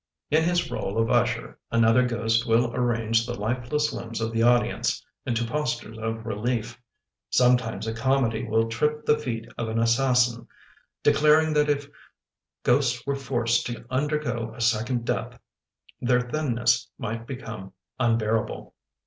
In his role of usher Another ghost will arrange The lifeless limbs of the audience Into postures of relief. Sometimes a comedy will trip The feet of an assassin, Declaring that if ghosts were forced To undergo a second death Their thinness might become unbearable.